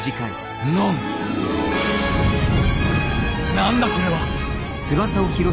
何だこれは！